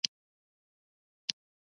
آزاد تجارت مهم دی ځکه چې فلمونه رسوي.